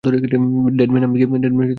Dead man আম্মি কে কাঁদিয়েছে।